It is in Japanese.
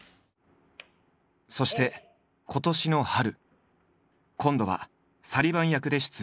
そして今年の春今度はサリヴァン役で出演。